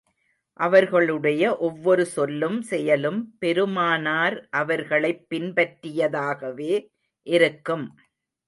அவர்களுடைய ஒவ்வொரு சொல்லும், செயலும், பெருமானார் அவர்களைப் பின்பற்றியதாகவே இருக்கும்.